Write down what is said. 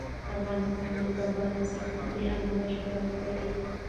افغانستان د د کابل سیند له امله شهرت لري.